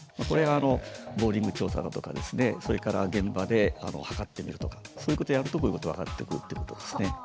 これがボーリング調査だとかそれから現場で測ってみるとかそういうことをやるとこういうことが分かってくるってことですね。